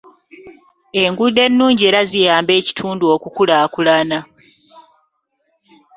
Enguudo ennungi era ziyamba ekitundu okukulaakulana.